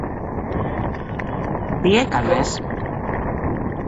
Τι έκανες;